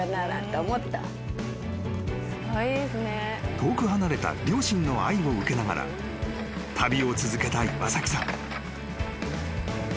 ［遠く離れた両親の愛を受けながら旅を続けた岩崎さん］